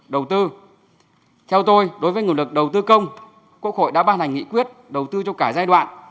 đầu tư theo tôi đối với nguồn lực đầu tư công quốc hội đã ban hành nghị quyết đầu tư cho cả giai đoạn